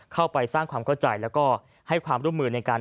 เข้าไปสร้างความเข้าใจแล้วก็ให้ความร่วมมือในการ